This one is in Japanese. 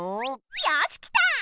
よしきた！